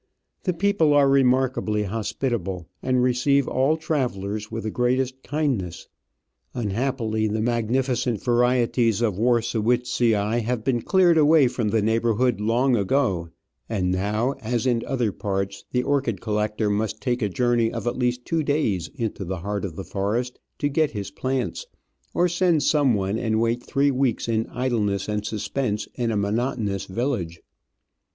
The people are remarkably hospitable, and receive all travellers with the greatest kindness. Unhappily, the magni ficent varieties of Warscewiczii have been cleared away from the neighbourhood long ago, and now, as in other parts, the orchid collector must t^tke a journey of at least two days into the heart of the forest to get his plants, or send someone and wait three weeks in idleness and suspense in a monotonous village.